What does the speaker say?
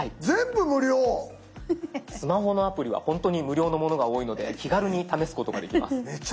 スマホアプリはほんとに無料のものが多いので気軽に試すことができます。